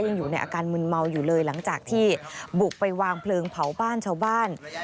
ยังอยู่ในอาการมึนเมาอยู่เลยหลังจากที่บุกไปวางเพลิงเผาบ้านชาวบ้าน